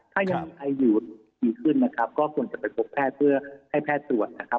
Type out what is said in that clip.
ถ้ายังมีไออยู่ดีขึ้นนะครับก็ควรจะไปพบแพทย์เพื่อให้แพทย์ตรวจนะครับ